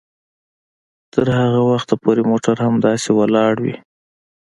تر هغه وخته پورې موټر همداسې ولاړ وي